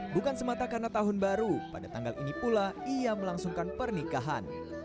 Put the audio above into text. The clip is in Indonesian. bukan semata karena tahun baru pada tanggal ini pula ia melangsungkan pernikahan